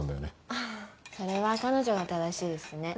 ああそれは彼女が正しいですね